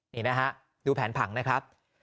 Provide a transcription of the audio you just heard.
นี่นะฮะดูแผนผังนะครับ